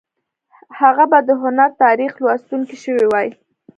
هغه به د هنر تاریخ لوستونکی شوی وای